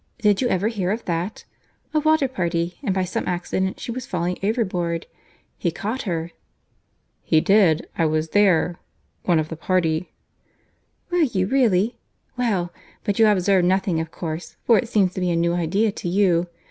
Did you ever hear of that?—A water party; and by some accident she was falling overboard. He caught her." "He did. I was there—one of the party." "Were you really?—Well!—But you observed nothing of course, for it seems to be a new idea to you.